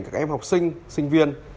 các em học sinh sinh viên